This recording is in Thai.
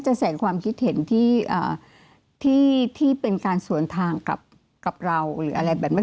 แสงความคิดเห็นที่เป็นการสวนทางกับเราหรืออะไรแบบนี้